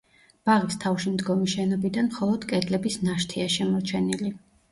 ბაღის თავში მდგომი შენობიდან მხოლოდ კედლების ნაშთია შემორჩენილი.